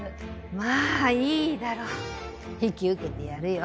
まぁいいだろう引き受けてやるよ。